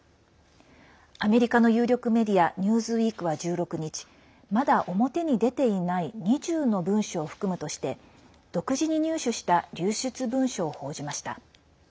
アメリカの有力メディアニューズウィークは１６日まだ表に出ていない２０の文書を含むとして独自に入手した流出文書を報じました。